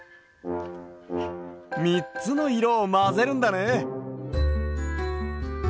みっつのいろをまぜるんだね。